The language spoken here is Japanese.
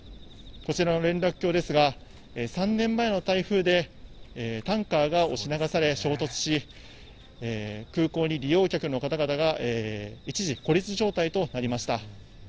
こちらの連絡橋ですが、３年前の台風でタンカーが押し流され衝突し、空港に利用客の方々が一時孤立状態となりました。